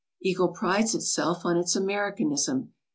Eagle prides itself on its Americanism.